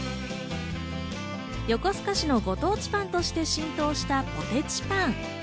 横須賀市のご当地パンとして浸透したポテチパン。